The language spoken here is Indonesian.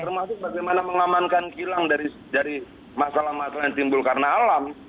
termasuk bagaimana mengamankan kilang dari masalah masalah yang timbul karena alam